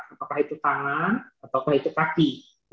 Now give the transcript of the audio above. apakah itu tangan ataukah itu kaki